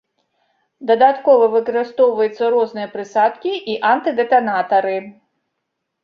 Дадаткова выкарыстоўваюцца розныя прысадкі і антыдэтанатары.